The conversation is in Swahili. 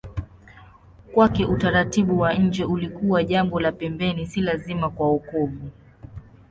Kwake utaratibu wa nje ulikuwa jambo la pembeni, si lazima kwa wokovu.